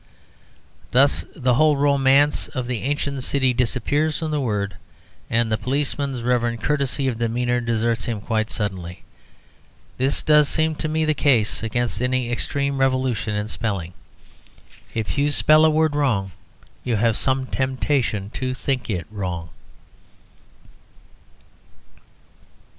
Thus the whole romance of the ancient city disappears from the word, and the policeman's reverent courtesy of demeanour deserts him quite suddenly. This does seem to me the case against any extreme revolution in spelling. If you spell a word wrong you have some temptation to think it wrong.